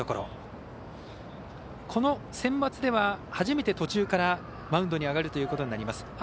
このセンバツでは初めて途中からマウンドに上がるということになります。